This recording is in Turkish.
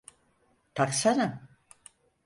Taksana.